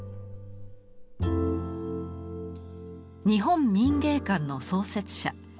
日本民藝館の創設者